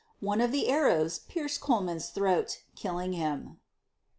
One of the arrows pierced Colman's throat, killing him.